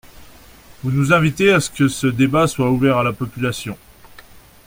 Vous nous invitez à ce que ce débat soit ouvert à la population.